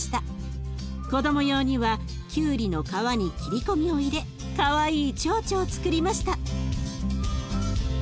子ども用にはきゅうりの皮に切り込みを入れかわいいちょうちょをつくりました。